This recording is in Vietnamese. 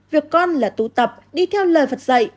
việc con là tụ tập đi theo lời phật dạy